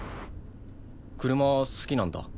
車好きなんだ？